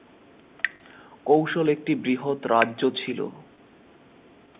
কোশল একটি বৃহৎ রাজ্য ছিল।